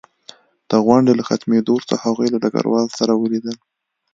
د غونډې له ختمېدو وروسته هغوی له ډګروال سره ولیدل